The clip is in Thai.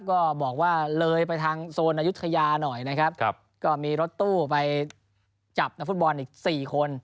ก็บอกว่าเลยไปทางโซนอายุทยาหน่อยนะครับก็มีรถตู้ไปจับนักฟุตบอลอีก๔คน